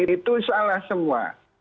itu salah semua